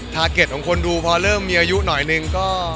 เก็ตของคนดูพอเริ่มมีอายุหน่อยนึงก็